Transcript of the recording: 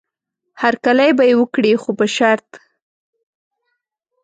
هرکلی به یې وکړي خو په شرط.